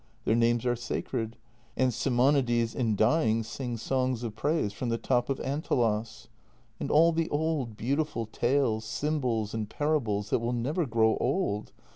Their names are sacred, and Simonides in dying sings songs of praise from the top of Antelos. " And all the old beautiful tales, symbols, and parables that will never grow old.